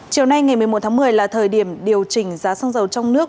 chiều nay ngày một mươi một tháng một mươi là thời điểm điều chỉnh giá xăng dầu trong nước